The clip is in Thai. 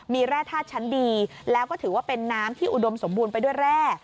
มีแร่ธาตุชั้นดีแล้วก็ถือว่าเป็นน้ำที่อุดมสมบูรณ์ไปด้วยแร่